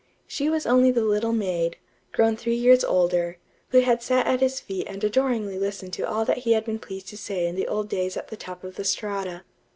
She was only the little maid, grown three years older, who had sat at his feet and adoringly listened to all that he had been pleased to say in the old days at the top of the Strata.